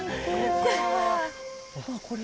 これ。